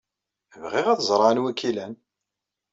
Bɣiɣ ad ẓreɣ anwa ay k-ilan.